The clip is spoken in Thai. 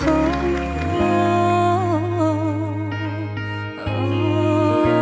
โอ้โอ้